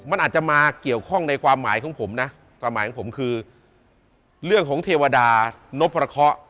อาจจะมาเกี่ยวข้องในความหมายของผมคือเรื่องเทวดานพระค่ะ